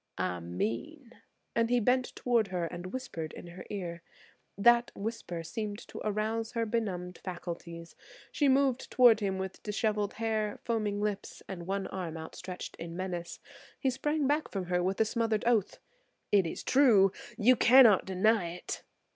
"I mean–," and he bent toward her and whispered in her ear. That whisper seemed to arouse her benumbered faculties. She moved toward him with disheveled hair, foaming lips and one arm outstretched in menace. He sprang back from her with a smothered oath: "It is true: you cannot deny it."